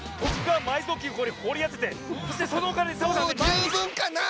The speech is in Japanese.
もうじゅうぶんかなぁ！